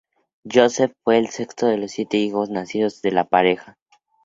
Joseph fue el sexto de los siete hijos nacidos de la pareja.